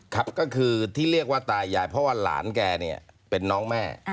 ครับก็คือที่เรียกว่าตายายเพราะว่าหลานแกเนี่ยเป็นน้องแม่